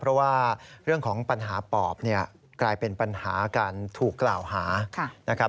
เพราะว่าเรื่องของปัญหาปอบกลายเป็นปัญหาการถูกกล่าวหา